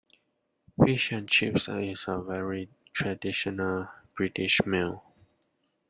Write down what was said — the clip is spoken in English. Fish and chips is a very traditional British meal